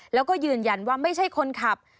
แล้วก็ยืนยันว่าไม่ใช่คนขับ